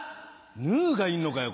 ヌ−がいんのかよ